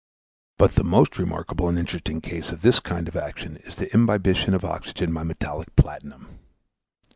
But the most remarkable and interesting case of this kind of action is the imbibition of oxygen by metallic platinum.